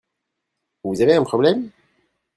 Vous avez un problème ?